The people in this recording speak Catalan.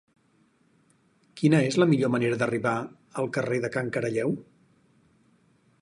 Quina és la millor manera d'arribar al carrer de Can Caralleu?